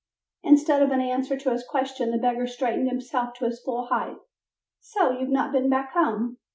Instead of an answer to his question the beggar straightened himself to his full height, "So you have not been home?"